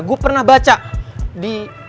gua pernah baca di